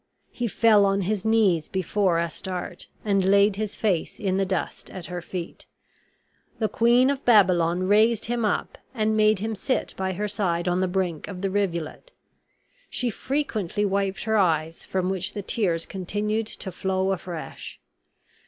He fell on his knees before Astarte, and laid his face in the dust at her feet. The Queen of Babylon raised him up, and made him sit by her side on the brink of the rivulet. She frequently wiped her eyes, from which the tears continued to flow afresh.